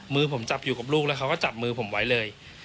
มือผมจับอยู่กับลูกแล้วเขาก็จับมือผมไว้เลย